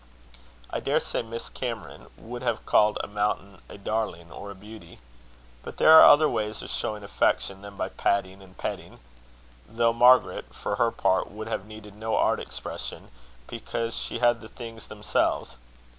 I daresay Miss Cameron would have called a mountain a darling or a beauty. But there are other ways of showing affection than by patting and petting though Margaret, for her part, would have needed no art expression, because she had the things themselves.